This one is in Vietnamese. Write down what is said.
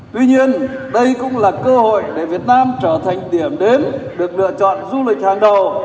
tuy nhiên đây cũng là cơ hội để việt nam trở thành điểm đến được lựa chọn du lịch hàng đầu